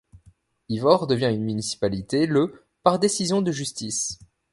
Ivor devient une municipalité le par décision de justice.